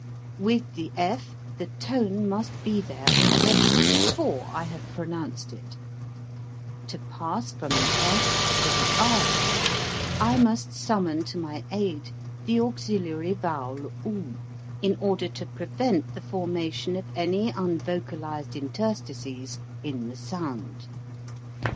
With the /, the tone must be there already, before I have pronounced it; to pass 230 AUXILIARY VOWELS 231 from the / to the r I must summon to my aid the auxiliary vowel 00, in order to prevent the formation of any unvocalized interstices in the sound.